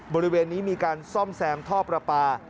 บริเวณนี้มีการซ่อมแซมท่อประปา